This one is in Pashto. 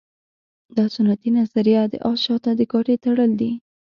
دا سنتي نظریه د اس شاته د ګاډۍ تړل دي.